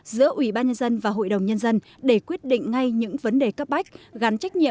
giữa ủy ban nhân dân và hội đồng nhân dân để quyết định ngay những vấn đề cấp bách